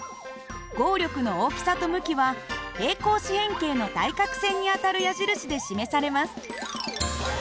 合力の大きさと向きは平行四辺形の対角線にあたる矢印で示されます。